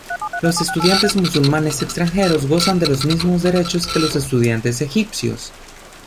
Los estudiantes musulmanes extranjeros gozan de los mismos derechos que los estudiantes egipcios.